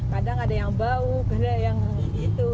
kadang ada yang bau kadang ada yang itu